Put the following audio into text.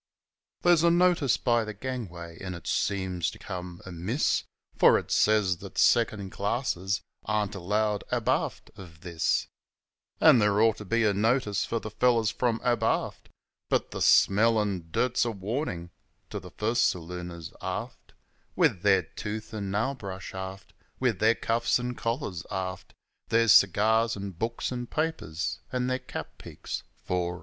There's a notice by the gangway, an' it seems to come amiss, For it says that second classers ain't allowed abaft o' this ; An' there ought to be a notice for the fellows from abaft But the smell an' dirt's a warnin' to the first salooners, aft ; With their tooth and nail brush, aft, With their cuffs an' collars, aft Their cigars an' books, an' papers, an' their cap peaks fore 'n' aft.